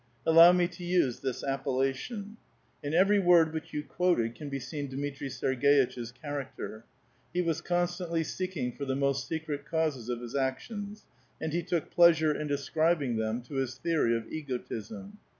Allow me to use this appellation. In every word which yoii quoted can be seen Dmitri 8erg6 iteh's character. He was constantly seeking for the most secret causes of his actions, and he took pleasure in ascribing them to his theory of egotism.